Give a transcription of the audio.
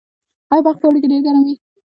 آیا بلخ په اوړي کې ډیر ګرم وي؟